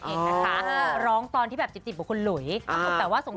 แหมะแหมะแมะอยู่ทีข้าง